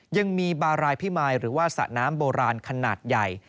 ยังมีบารายพิมายหรือว่าสระน้ำโบราณขนาดใหญ่